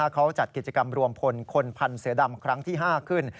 เขาจัดกิจกรรมรวมพลคนพันธ์เสือดำครั้งที่๕ขึ้น